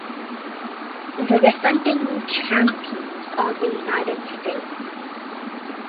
The defending champions are the United States.